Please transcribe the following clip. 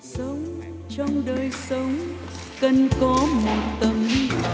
sống cần có một tâm hồn đồ làm gì em biết không